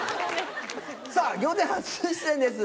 さぁ『仰天』初出演です